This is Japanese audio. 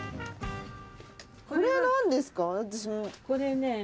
これね。